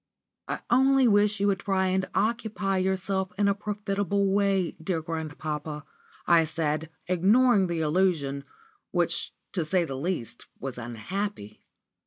"I only wish you would try and occupy yourself in a profitable way, dear grandpapa," I said, ignoring the allusion, which, to say the least, was unhappy.